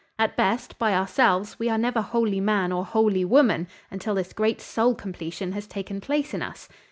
At best, by ourselves, we are never wholly man or wholly woman until this great soul completion has taken place in us.